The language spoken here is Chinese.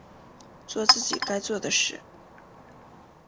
作自己该做的事